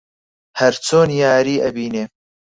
هەر چۆن یاری ئەبینێ